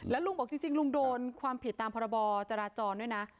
แล้วลุงบอกจริงลุงโดนความผิดตามพรบจราจรด้วยนะ